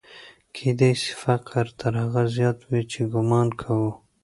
کېدای سي فقر تر هغه زیات وي چې ګومان کوو.